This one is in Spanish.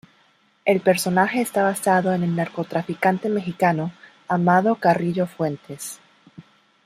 El personaje está basado en el narcotraficante mexicano Amado Carrillo Fuentes.